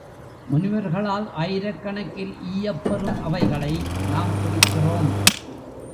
முனிவர்களால் ஆயிரக்கணக்கில் ஈயப்பெறும் அவைகளை நாம் குடிக்கிறோம்.